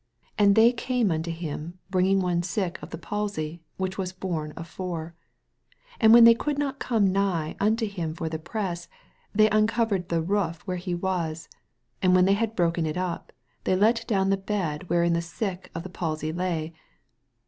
3 And they came unto him, bring ing one sick of the palsy, which was borne of four. 4 And when they could not come nigh unto him for the press, they un cove'red the roof where he was : and when they had broken it up, they let down the bed wherein the sick of the palsy lay.